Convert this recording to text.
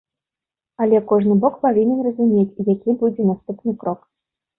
Але кожны бок павінен разумець, які будзе наступны крок.